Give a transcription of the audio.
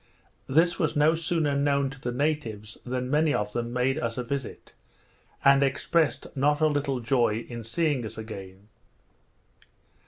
This was no sooner known to the natives, than many of them made us a visit, and expressed not a little joy at seeing us again.